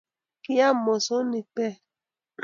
kiam mosonik beek